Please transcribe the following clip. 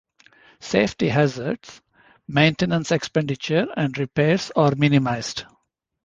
Safety hazards, maintenance expenditure and repairs are minimized.